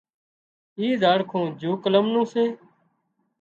اِي زاڙکون جوڪلم نُون سي